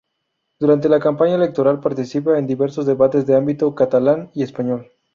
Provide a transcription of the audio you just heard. Durante la campaña electoral participa en diversos debates de ámbito catalán y español.